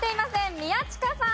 宮近さん。